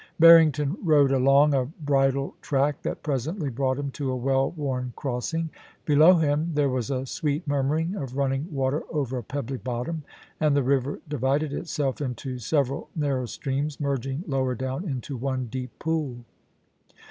Barrington rode along a bridle track that presently brought him to a well worn cross ing. Below him there was a sweet murmuring of running water over a pebbly bottom, and the river divided itself into several narrow streams, merging lower down into one deep pool.